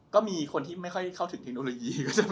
ก็มีคนที่ไม่ค่อยเข้าถึงเทคโนโลยี